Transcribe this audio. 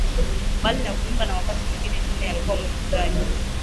Mbali na kuimba na wakati mwingine dube alikuwa muigizaji